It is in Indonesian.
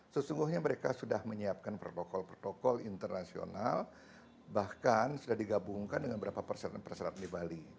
sesungguhnya mereka sudah menyiapkan protokol protokol internasional bahkan sudah digabungkan dengan berapa persyaratan persyaratan di bali